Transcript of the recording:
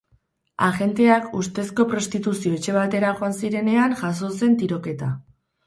Agenteak ustezko prostituzio-etxe batera joan zirenean jazo zen tiroketa.